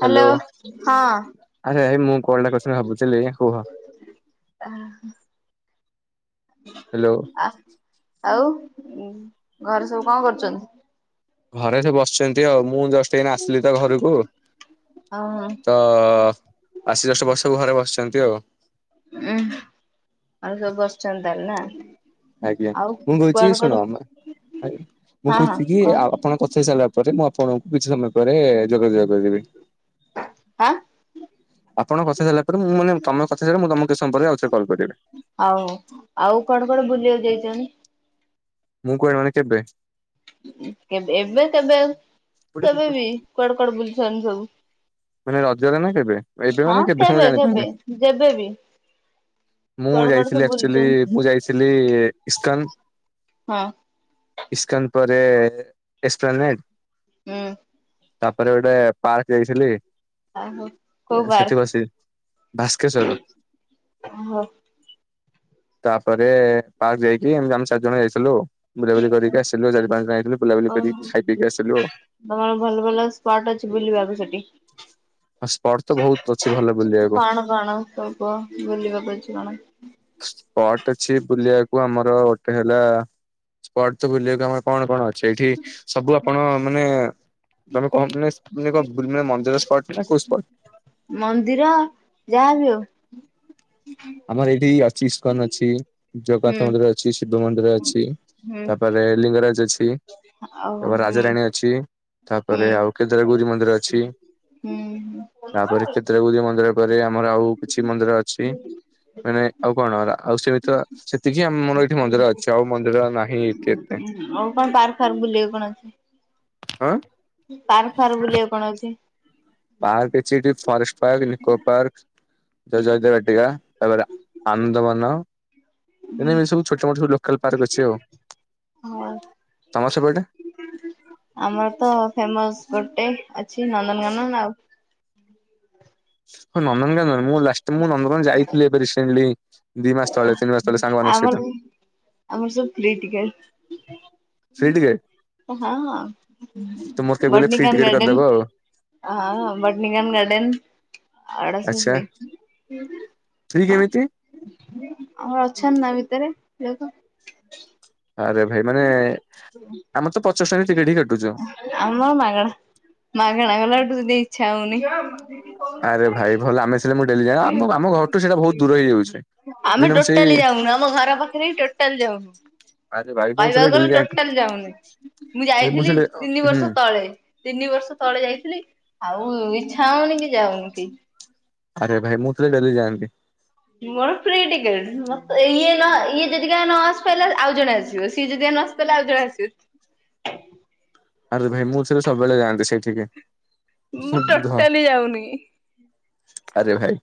Hello ହଁ ଆଜ୍ଞା ଭାଇ ମୁଁ କଲ ଟା କରି ଭାବୁଥିଲି ହ୍ୟାଲୋ ଆ ଆଉ ଘରେ ସବୁ କଣ କରୁଛନ୍ତି? ଘରେ ତ ବସିଛନ୍ତି ଆଉ ମୁଁ ଜଷ୍ଟ ଏଇ ଆସିଲି ତ ଘରକୁ ଆଉ ତ ଆସି ଜଷ୍ଟ ବସିବୁ ଘରେ ବସ ଆସିଛନ୍ତି ଆଉ ଉୁଁ ଆଉ ସବୁ ବସିୁଛନ୍ତି ତାହଲେ ନା? ଆଜ୍ଞା ଆଉ ମୁଁ କହୁଛି କୁଆଡେ ଶୁଣ କୁଆଡେ ମୁଁ ହଁ କହୁଛି କି ହଁ କ ଆପଣଙ୍କ କଥା ହେଇ ସାରିଲା ପରେ ମୁଁ ଆପଣଙ୍କୁ କିଛି ସମୟ ପରେ ଯୋଗାଯୋଗ କରିବି ଆଁ ଆପଣଙ୍କ କଥା ସାରିଲା ପରେ ମୁଁ ମାନ ତମେ କଥା ସାରିଲ ମୁ ତମକୁ କିଛି ସମୟ ପରେ ଆଉଥରେ କଲ କରିବି। ଆଉ ଆଉ କୁଆଡେ କୁଆଡେ [inaudible] ମୁଁ କୁଆଡ଼େ ମାନେ କେବେ? ଏବେ କେବେ କେବେ ବି କୁଆଡେ କୁଆଡେ ବୁଲିଛନ୍ତି ସବୁ? ମାନେ ରଜରେ ନା କେବେ ଏବେ ହଁ ମାନେ କେବେ କେବେ ଜାଣିପାରୁନି ଯେବେ ବି ମୁଁ କୁଆଡେ କୁଆଡେ ଯାଇଥିଲି ସବୁ ଆକଚୁଆଲୀ ବୁଲିଛନ୍ତି? ମୁଁ ଯାଇଥିଲି ଇସ୍କନ। ହଁ ଇସ୍କନ ପରେ ଏକସପ୍ଲାନେଟ ହୁଁ ତାପରେ ଗୋଟେ ପାର୍କ ଯାଇଥିଲି। ଆଉ କୋଉ ସେଠି ପାର୍କ ବସି ବାସ୍କେଶ୍ଵର ଓହୋ ତାପରେ ପାର୍କ ଯାଇକି ଏମିତି ଆମେ ଚାରି ଜଣ ଯାଇଥିଲୁ। ବୁଲାବୁଲି କରିକି ଆସିଲୁ ଚାରି ପାଞ୍ଚ ଜଣ ବୁଲାବୁଲି ଓ କରିିକିଖାଇ ପିକି ଆସିଲୁ। ତମର ଭଲ ଭଲ ସ୍ପଟ ଅଛି ବୁଲିବାକୁ ସେଠି। ସ୍ପଟ ତ ବହୁତ ଅଛି ଭଲ ବୁଲିବାକୁ। କଣ କଣ ସବୁ କୁହ ବୁଲିବାକୁ ଅଛି କଣ? ସ୍ପଟ ଅଛି ବୁଲିବାକୁ ଆମର ଗୋଟେ ହେଲା ସ୍ପଟ ତ ବୁଲିବାକୁ ଆମର କଣ କଣ ଅଛି? ସେଇଠି ସବୁ ଆପଣ ମାନେ ତମେ କହ ମାନେ ମନ୍ଦିର ସ୍ପଟ ନା କୋଉ ସ୍ପଟ ମନ୍ଦିର ଯାହାବି ହଉ। ଆମର ଏଇଠି ଅଛି ଇସ୍କନ ଅଛି। ହୁଁ ଜଗରନାଥ ମନ୍ଦିର ଅଛି। ଶିବ ମନ୍ଦିର ଅଛି। ହୁଁ ତାପରେ ଲିଙ୍ଗରାଜ ଅଛି ଆଉ ତାପରେ ହୁଁ ରାଜାରାଣୀ ଅଛି। ହୁଁ ତାପରେ ଆଉ କେଦାରଗୌରୀ ମ ନ୍ଦିର ଅଛି। ହୁଁ ହୁଁ ତାପରେ କ୍ଷେତ୍ରଗୌରୀ ମନ୍ଦିର ପରେ ଆମର ଆଉ କିଛି ମନ୍ଦିର ଅଛି। ମାନେ ଆଉ କଣ ହେଲା ଆଉ ସେମିତି ସେତିକି ଆମର ଏଇଠି ମନ୍ଦିର ଅଛି ଆଉ ମନ୍ଦିର ନାହିଁ ଏ ଆଉ କଣ ପାର୍ ଫାର୍ ବୁଲିଵା କଣ ଅଛି? ହଁ। ପାର ଫାର ବୁଲିବା କଣ ଅଛି? ପାହା କେ ଚ ଫରେଷ୍ଟ ପାର୍କ ନିକୋ ପାର୍କ ଜୟଦେ ବାଟିକା ତାପରେ ଆନନ୍ଦବନ ଏ ଏମିତି ସବୁ ଛୋଟ ମୋଟ ସବୁ ଲୋକାଲ ପାର୍କ ଅଛି ଆଉ ହଁ ତମ ସେପଟେ ଆମର ତ ଫେମସ ଗୋଟେ ଅଛି ନନ୍ଦନକାନ୍ଦନ ଆଉ। ହଁ ନନ୍ଦନକନ୍ଦନ ନ ମୁଁ କଷ୍ଟ ମୁଁ ନନ୍ଦକାନ ଯାଇଥିଲି ଏବେ ରିସେଣ୍ଟଲି ଦି ମାସ ତଳେ ତିନି ମାସ ତଳେ ସାଙ୍ଗମାନାନଙ୍କ ଆମର ସହିତ ଫ୍ରି ଟିକେଟ ହ ହଁ ତ ମୋର କେବେ ଗଲେ ଫ୍ରି ଭଟନିକାନ ଟିକେଟ କରିଦବ ଆଉ ଗାର୍ଡନ ହ ଭଟନିକାନ ଗାର୍ଡନ ଆଚ୍ଛା ଆଡ଼ସରେ ଫ୍ରି କେମିତି? ଆଉ ଅଛନ୍ ନା ଭିତରେ ଦେ ଆରେ ଭାଇ ମାନେ ଆମେ ତ ପଚାଶ ଟଙ୍କ ଟିକେଟ ହି କଟାଛୁ। ଆମର ଛାାଉନି। ଆରେ ଭାଇ ଭଲ ଆମେ ସିଲେ ମୁ ଆମେ ମିନିମମ୍ ସେଇ ଟୋଟାଲି ଯାଉନୁ ଆମ ଘର ପାଖରେ ହିଁ ଟୋଟାଲ ଯାଉନୁ ଆରେ ଭାଇ ମୁଁ ଥିଲେ କହିବାକୁ ଡେଲି ଗଲେ ଯାଆନ୍ତି। ଟୋଟାଲ ଯାଉନି ମୁଁ ଯାଇଥିଲି ସେଠି ତିନି ହୁଁ ବର୍ଷ ତଳେ ତିନି ବର୍ଷ ତଳେ ଯାଇଥିଲି। ଆଉ ଇଛା ହଉନି କି ଯାଉନି କି ଆରେ ଭାଇ ମୁଁ ଥିଲେ ଡେଲି ଯାଆନ୍ତି। ମୋର ପ୍ରି ଟିକେ ଅ ମତେ ଇଏ ନ ଇଏ ଯଦିା ନ ଆସି ପାରେ ଆଉ ଜଣେ ଆସିବ ସିଏ ଯଦ ନ ଆସି ପାରଲେ ଆଉ ଜଣେ ଆସିବେ। ଆରେ ଭାଇ ମୁଁଥିରେ ସବୁବେଳେ ଯାଆନ୍ତି ସେଇଠିକି ମୁଁ ଟୋଟାଲି ଯାଉନି। ଆରେ ଭାଇ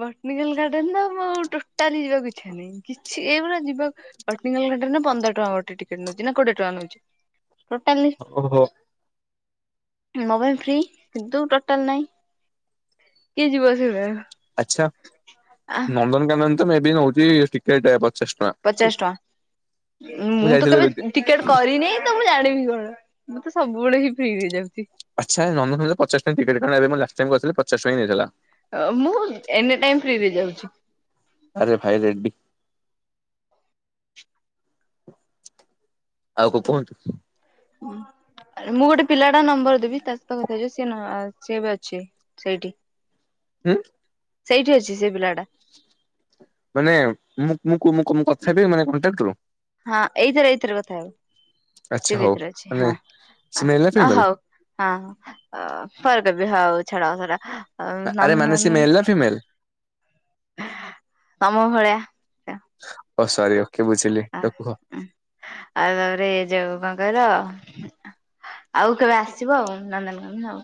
ବଟାନିକାଲ ଗାର୍ଡେନ ନା ମୁଁ ଆ ଟୋଟାଲି ଯିବାକୁ ଇଛା ନାହିଁ କିଛି ଏଇଭଳି ଯିବ। ପଟଣିକଟ ପନ୍ଦଟ କେତେ ଟଙ୍କା ଗୋଟେ ଟିକେଟ୍ ନଉଛି ନା କୋଡିଏ ଟଙ୍କା ନଉଛି। ଓହୋ। ମୋବାଇଲ ଫ୍ରି କିନ୍ତୁ ଟୋଟାଲ ନାଇଁ କିଏ ଯିବ ସେ। ଆଚ୍ଛା ନନ୍ଦନକାନ୍ଦନ। ମେବି ନଉଚି ଟିକେଟେ ପ ପଚାଶ ଟଙ୍କା ମୁଁ ତ ଯାଇଥିଲି ଏବେ କେବେ ଟିକେଟ କରିନି ତ ମୁଁ ଜାଣିବି କଣ ମୁଁ ତ ସ ବଳେ ହି ଫ୍ରି ରେ ଯାଉଚି। ଆଚ୍ଛା ନନ୍ଦନକାନନ ପଚାଶ ଟଙ୍କା ଟିକେଟ କଣ ଏବେ ମୁଁ ଲାଷ୍ଟ ଟାଇମ ବସିଲିପଚାଶ ଟଙ୍କା ହିଁ ନେଇଥିଲା। ମୁଁ ଏନି ଟାଇମ ଫ୍ରି ରେ ଯାଉଛି। ଆରେ ଭାଇ ରେଡ୍ଡୀ ଆଉ କ କୁହନ୍ତୁ। ହଁ ଆରେ ମୁଁ ଗୋଟେ ପିଲାଟା ନମ୍ବର ଦେବି ତା ସହିତ କଥା ହେଇଯିବ ସେ ନୂଆ ଆସଛି ଏବେ ଅଛି ସେଇଠି। ଉଁ। ସେଇଠି ଅଛି ସେ ପିଲାଟା। ମାନେ ମୁଁ ମୁଁ। କୁ ମୁଁ ମୁଁ କଥା ହେବି ମାନ କଣ୍ଟାକ୍ଟ ରୁ। ହଁ ଏଇଥିରେ ଏଇଥିରେ କଥା ହେବେ ଆଚ୍ଛା ସେ ହଉ ଭିତରେ ଅଛି ମାନେ ହଁ ସେ ଅଁ ମେଲ୍ ନା ଅ ଫିମେଲ୍ ହଉ ହଁ ଅ ପରେ କରିବି ହଉ ଛାଡ ସେଟା। ଆ ଆରେ ମାନେ ସିଏ ମେଲ ନା ଫିମେଲ? ତ ତମ ଭଳିଆ। ଓ ସରି ଓ। ଆ ଉଁ ଆଉ ତାପରେ ଯୋଉ। କଁ କହିଲ ଆଉ କେବେ ଆସିବ ଆଉ ନନ୍ଦନକାନନ ଆଉ।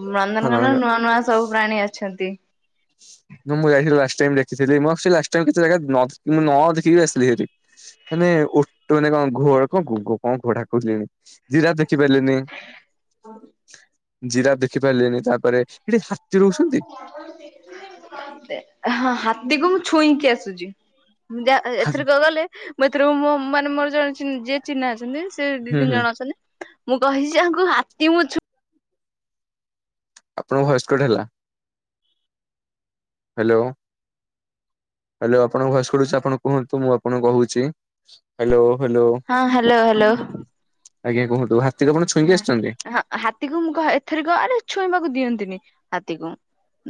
ଉଁ ହଁ ନନ୍ଦନକାନନ ନଣନ୍ଦ ନୂଆ ନୂଆ ସବୁ ପ୍ରାଣୀ ଅଛନ୍ତି। ଯଉ ମୁଁ ଯାଇଥିଲି ଲାଷ୍ଟ ଟାଇମ୍ ଦେଖିଥିଲି ମ ସେଇ ଲାଷ୍ଟ ଟାଇମ୍ କିଛି ଜାଗା ନ ମୁଁ ନ ଦେଖିକିରି ଆସିଥିଲି ହେରି ହେନେ ଓଟ ମାନେ କଁ ଘୋ କଁ ଘୋ ଘୋ କଁ ଘୋଡା କହୁଥିଲି [unintelligible] ଜିରାଫ୍ ଦେ ଖିପାରିଲିନି। ଜିରାଫ ଦେଖି ପାରିଲିନି ତାପରେ ହେଠି ହା କହ ଟିକେ ମଟନ୍ ସି ତେ ହଁ ହାତୀ। କୁ ମୁଁ ଛୁଇଁକି ଆସୁଚି। ମୁଁ ଯା ହୁଁ ଏ-ଏଥରକ ଗଲେ। ମୁଁ ଏଥରକ ମୋ ମାନେ ମୋର ଜଣେ ଚି ଯିଏ ଚିହ୍ନା ଅଛନ୍ତି। ସେ ଦି ତିନି ହୁଁ ଜଣ ଅଛନ୍ତି। ମୁଁ କହିଚି ତାଙ୍କୁ ହାତୀ ମୁଁ ଛୁ ଆପଣଙ୍କ ଭଏସ୍ କଟ ହେଲା ହାଲୋ। ହାଲୋ ଆପଣଙ୍କ ଭଏସ୍ କଟୁଚି ଆପଣ କୁହନ୍ତୁ ମୁଁ ଆପଣଙ୍କୁ କହୁଚି। ହାଲୋ। ହଁ ହାଲୋ ହାଲୋ। ଆଜ୍ଞା କୁହନ୍ତୁ ହା ହଁ ହଁ ହାତୀକୁ ମୁଁ କ ଏଥରିକ ଆରେ ଛୁ ଇଁବାକୁ ଦିଅନ୍ତିନି ହାତୀକୁ।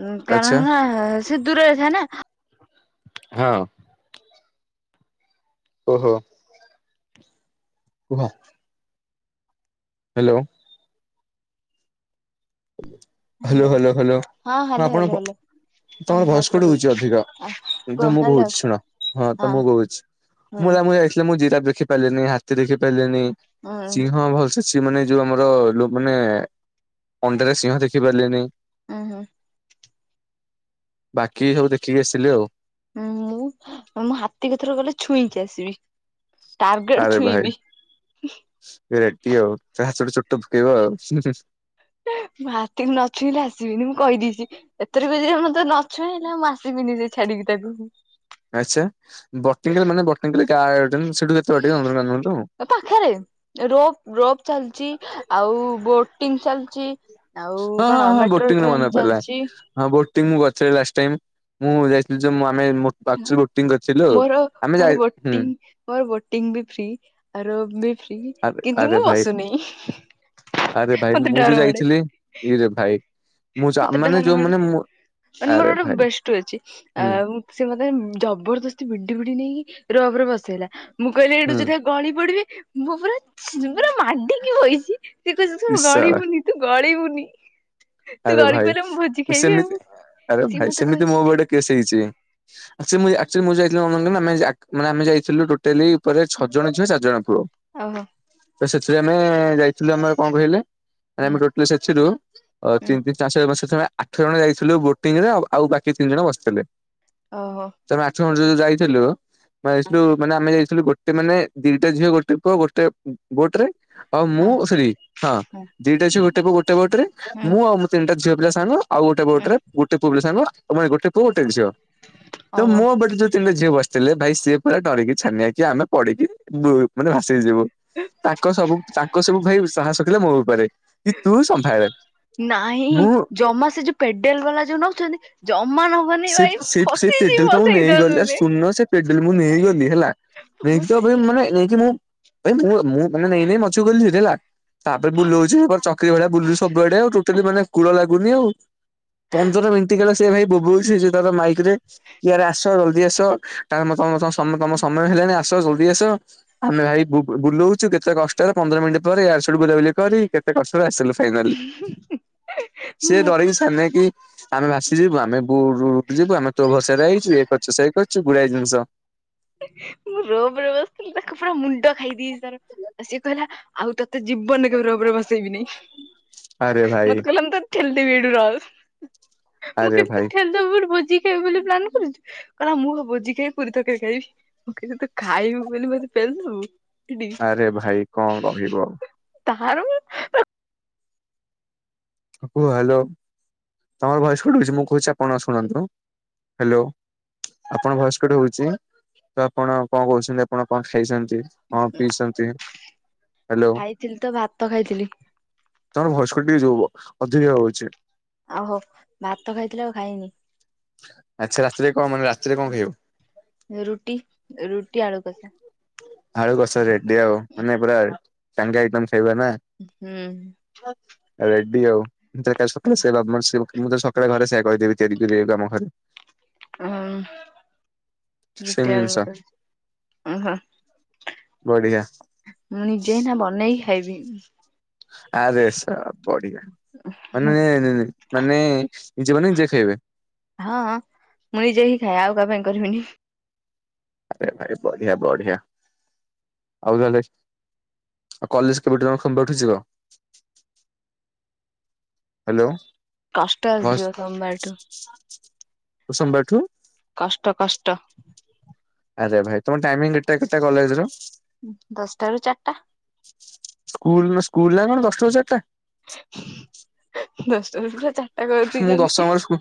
ଉଁ ଆଚ୍ଛା। କାରଣ ହେଲା ସେ ଦୂରରେ ଥାଏ ନାଁ। ହଁ‌। ଓହୋ। କୁହ। Hello. Hello hello hello hello ହଁ ହ୍ୟାଲୋ ହ୍ୟାଲୋ ଆପଣଙ୍କ ପ ହ୍ୟାଲୋ। ହଁ ତମର ଭଏସ ଭଏସ୍ କଟ୍ ହଉଚି କଟଉଛି ଅଧିକ। କିନ୍ତୁ କୁହ ମୁଁ ହ୍ୟାଲୋ। କୋହୁଚି ଶୁଣ। ହଁ ତ ମୁଁ କହୁଚି ହୁଁ ମୁଁ ଯା ମୁଁ ଯାଇଥିଲି ମୁଁ ଜିରାଫ୍ ଦେ ଖି ପାଇଲିନି ହାତୀ ଦେଖି ପାଇଲିନି। ହୁଁ ସିଂହ ଭଲସେ ସିଏ ମାନେ ଯୋଉ ଆମର ଲୋ ମାନେ ଅଣ୍ଡାରେ ସିଂହ ଦେଖିପାରିଲିନି। ହୁଁ ହୁଁ। ବାକି ସବୁ ଦେଖିକି ଆସିଲି ଆଉ। ହୁଁ ମୁଁ ମୁଁ ହାତୀକୁ ଏଥର ଗଲେ ଛୁଇଁକି ଆସିବି। ଟାର୍ଗେଟ ଆରେ ଛୁଇଁବି। ଭାଇ ରେଡ୍ଡୀ ଆଉ ଯାହା ଛୋଟ ଛୋଟ ଭୂ କେଇବ ଆଉ। ମୁଁ ମାର୍କେଟ ନଛୁଇଁଲେ ଆସିବିନି ମୁଁ କହିଦେଇଛି। ଏଥିରେ ବି ତମେ ନଛୁଇଁ ହେଲା ମୁଁ ଆସିବିନି ସେ ଛାଡିକି ତାକୁ। ଆଚ୍ଛା ବଟେଙ୍କଲ ମାନେ ବଟେଙ୍କଲି ଗାଁ ପାଖରେ ରୋପ ରୋପ ଚାଲିଛି ଆଉ ବୋଟ୍ ଟିଙ୍ଗ ଚାଲିଚି ହଁ ହଁ ହଁ ବୋଟିଂ ରୁ ମନେ ପଇଲା ହଁ ବୋଟିଂ ମୁଁ କରି ସେଇ ଲାଷ୍ଟ ଟାଇମ୍। ମୁଁ ଯାଇଥିଲି ଯୋଉ ଆମେ ମୋ ବୋଟିଂ କରି ମୋର ମୋର ବୋଟିଂ ବୋଟିଂ ବି ଫ୍ରି ଆ ରୋପ୍ ବି ଫ୍ରି ଆରେ କିନ୍ତୁ ଆରେ ମୁଁ ଭାଇ ବସୁନି ଆରେ ଭାଇ ମତେ ମୁଁ ଯୋଉ ଡର ମାଡେ ଯାଇଥିଲି ଇରେ ଭାଇ ମୁଁ ଯା ମତେ ମାନେ ଡର ଯୋଉ ମାଡେ। ମାନେ ମୁଁ ମାନେ ଆରେ ମୋର ଗୋଟେ ଭାଇ ବେଷ୍ଟ ଅଛି ଆ ହୁଁ ସେ ମତେ ମାନେ ଜବରଦସ୍ତି ଭିଡ଼ି ଭିଡ଼ି ନେଇକି ରୋପରେ ବସେଇଲା। ମୁଁ କହିଲି ଏଠୁ ହୁଁ ଯଦି ଗଳି ପଡ଼ିବି। ମୁଁ ପୁରା ପୁରା ମାଡିିକି ବଇଚି। ସିଏ କହୁଛି ତୁ ଇଶାରା ଗଳିିବୁନି ତୁ ଗଳିିବୁନି। ଆରେ ଭାଇ ସେମିତି ଆରେ ସିଏ ଭାଇ ମତେ ସେମିତି ମୋ କହୁଛି ବଟେ କେସ୍ ହେଇଛି ଆ ମୁଁ ଯାଇଥିଲ ଆମେ ଯାଇଥିଲୁ ଟେଲି ଉପରେ ଛଅ ଜଣ ଝିଅ ଚାରି ଜଣ ପୁଅ ଓହୋ ତ ସେଥିରେ ଆମେ ଯାଇଥିଲୁ ଆମର କଣ କହିଲେ ଆରେ ହୁଁ ଆମେ ଟୋଟଲ ସେଛରୁୁ [unintelligible] ଆଠ ହୁଁ ଜଣ ଯାଇଥିଲୁ ବୋଟିଂ ରେ ଆ ଆଉ ବାକି ତିନି ଜଣ ବସିଥିଲେ ଓ ହୋ ତମେ ଆଠ ଜଣ ଯାଇଥିଲୁ ଥିଲୁ ମାନେ ଆମେ ଯାଇଥିଲୁ ଥିଲ ଗୋଟେ ମାନେ ଦିଟା ଝିଅ ଗୋଟେ ପୁଅ ଗୋଟେ ବୋଟ ରେ ଆଉ ହଁ ମୁଁ ସେ ହଁ ହୁଁ ଦିଟା ଅଛି ଗୋଟେ ଗୋଟେ ପଟରେ ହୁଁ ମୁଁ ଆଉଁ ତିନିଟା [unintelligible] ଆଉ ଗୋଟେ ବୋଟ ହୁଁ ରେ ଗୋଟେବଲି ସାଙ୍ଗ ତମେ ଗୋଟେ ପୁଅ ଗୋଟେ ଝିଅ ତ ଓହୋ ମୁଁ [unintelligible] ଯିଏ ବସିଥିଲେ ଭାଇ ସିଏ ପୁରା ଡରିକି ଛାନିଆ କି ଆମେ ପଢିକି ମାନେ ଯିବ ତାଙ୍କ ସବୁ ତାଙ୍କ ସବୁ ଭାଇ ସାହସ ମୋ ବେପାରେ କି ତୁ ସମ୍ଭାଳେ ନାଇଁ ମୁଁ ଜମା ସେ ଯୋଉ ପେଡେଲ ବାଲା ଯୋଉ ନଉଛନ୍ତି ଜମା ନବନି ସେ ଭାଇ ସେ ଫସିଛି ପେଡଲ ତ ମୋ ମୁଁ ନେଇ ଗଲି ଆଉ ସେଇଦରେ ଶୁଣୁନ ସେ ପେଡଲ ମୁଁ ନେଇଗଲି ହେଲା ନେଇକି ତ ଫସି ମାନେ ନେଇକି ମୁଁ ଭାଇ ମୁଁ ମୁଁ ମାନେ ନେଇ ନେଇ ମଛକୁ ଗଲି [unintelligible] ତାପରେ ବୁଲଉଛି ଚକ୍ରି ଭଳିଆ ବୁଲୁଛି ସୁବୁଆଡେ ଆଉ ଟୋଟାଲି ମାନେ କୁଳ [unintelligible] ପନ୍ଦର ମିନିଟ୍ ଗଲା ସେ ଭାଇ ବୋବୋଉ ସେ ତାର ମାଇକ ରେ କି ରେ ଆସ ଜଲଦି ଆସ ତମ ତମ ସମୟ ହେଲାଣିି ଆସ ଜଲଦି ଆସ ଆମେ ଭାଇ ବୁଲଉଛୁ କେତେ କଷ୍ଟରେ ପନ୍ଦର ମିନିଟ୍ ପରେ ୟାଡ୍ ସେଆଡୁ ବୁଲାବୁଲି କରି କେତେ କଷ୍ଟ ଆସିଲୁ ଫାଇନାଲି ସିଏ ମୋ ଡରିକି ଛାନିଆ ହେଇକି ଆମେ ଭାସିଯିବୁ ଆମେ ଆମେ ତୋ ଭରସା ରେ ଆଇଛୁ ଏ କରିଛୁ କରୁଛୁ ଗୁଡାଏ ଜିନିଷ ମୁଁ ରୋବରେ ବସିଥିଲି ତାକୁ ପୁରା ମୁଣ୍ଡ ଖାଇଦିଏ। ତ ସେ କହିଲା ଆଉ ତୋତେ ଜୀବନ କେଭ ରୋବରେ ବସେଇବିନି। ଆରେ ଭାଇ ମତେ କହିଲା ମୁଁ ତତେ ଠେଲି ଦେବି ଏ ର ମୁଁ ଆରେ କହିଲି ତୁ ଭାଇ ଠେଲି ଦବୁ ଗୋଟେ ଭୋଜି ବୋଲି ପ୍ଲାନ୍ କରୁଛୁ କହିଲା ମୁଁ ଭୋଜି ଖାଇ ପୁରୀ ତରକାରି ଖାଇବି। ମୁଁ କହିଲି ତୁ ଖାଇବୁ ବୋଲି ମତେ ପେଲିଦେବୁ। ଆରେ ଭାଇ କଣ କହିବ ଆଉ। ତାହାରୁ ଓ ହ୍ୟାଲୋ ତମର ଭଏସ୍ କଟୁଛି। ହଉଛି ମୁଁ କହୁଛି ଆପଣ ଶୁଣନ୍ତୁ। ହ୍ୟାଲୋ ଆପଣ ଭଏସ କଟ୍ ହଉଛି। ତ ଆପଣ କଣ କହୁଛନ୍ତି ଆପଣ କଣ ଖାଇଛନ୍ତି। ହଁ ପିସନ୍ତି। ହ୍ୟାଲୋ ଖାଇଥିଲି ତ ଭାତ ଖାଇଥିଲି [inaudible] ତମର ଭଏସ୍ କଟି ଯିବ। ଅଧୁର ହଉଛି। ଆଉ ହୋ ଭାତ ଖାଇଥିଲେ ଆଉ ଖାଇନି। ଆଚ୍ଛା ରାତିରେ କଣ ମାନେ ରାତିରେ କଣ ଖାଇବ। [inaudible] ରୁଟି ରୁଟି ଆଳୁ କଷା। ଆଳୁ ଗଛ ରେଡି ଆଉ ମାନେ ପୁରା [unintelligible] ହୁଁ। ରେଡ୍ଡି ଆଉ। [unintelligible] ମୁଁ ତ ସକାଳେ ଘରେ ସେୟା କହିଦେବି ତିଆରି କରି ଆମ ଘରେ। ହଁ ସେମ ଜିନିଷ। [unintelligible] ଓହୋ। ବଢିଆ। ମୁଁ ନିଜେ ନା ବନେଇ ଖାଇବି। ଆରେ ସବ ବଢିଆ ମାନେ ମାନେ ଜଣେ ଯିଏ ଖାଇବେ। [inaudible] କ ପାଇଁ କରିବିନି। ଆ ଭ ବଢିଆ ବଢିଆ ଆଉ ତାହଲେ କଲେଜ କେବେ ଠୁ ଖୋଲିବ। [unintelligible] ହାଲୋ। କଷ୍ଟ ଆସିଯିବ ସୋମବାରଠୁ। ଓ ସୋମବାର ଠୁ। କଷ୍ଟ କଷ୍ଟ ଆରେ ଭାଇ ତମ ଟାଇମିଂ ଡେଟ ଟା କେତେ କଲେଜର। ଦଶଟା ରୁ ଚାରିଟା ସ୍କୁଲ ନା ସ୍କୁଲ ନା କଣ ଦଶଟାରୁ ଚାରିଟା ରୁ ପୁରା ଚାରିଟା ମୁଁ ଦଶ କରିଦେଇଛନ୍ତି ଟଙ୍କା ବ ସ୍କୁ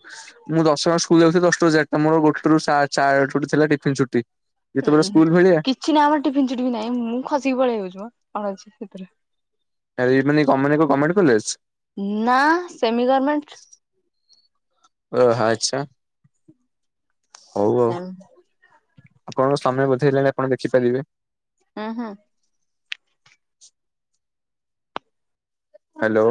ମୁଁ ଦଶଙ୍କରେ ସ୍କୁଲ ଯାଉଥିଲି ଦଶା ହାରଟା ମରୋଟରୁ ଚୋଟି ଥିଲା ଟିଫିିନ ଛୁଟି ଉୁଁ ଯେତେବେଳେ ସ୍କୁଲ ଭଳିଆ କିଛି ନାହିଁ ଆମର ଟିଫିନ ଚଟିଫି ନାଇଁ ମୁଁ ଖସିକି ପଳେଇ ଯାଉଛି। କଣ ଅଛି ସେଥିରେ ଆଇ ମାନେ ଗମେ ଗମେଣ୍ଟ କଲେଜ ନା ସେମି ଗର୍ମେଣ୍ଟ। ଓ ହୋ ଆଛା। ହଉ ଆଉ। ସେମି ଆପଣଙ୍କ ସାମ୍ନ ବୁଝେଇଲାଣି ଆପଣ ଦେଖିପାରିବେ। ହୁଁ ହୁଁ। ହାଲୋ।